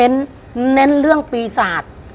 เน้นเรื่องปีศาจ